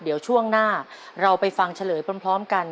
เดี๋ยวช่วงหน้าเราไปฟังเฉลยพร้อมกัน